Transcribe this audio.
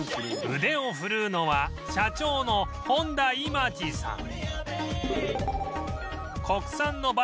腕を振るうのは社長の本多今治さん